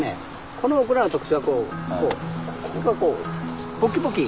このオクラの特徴はここがこうポキポキ。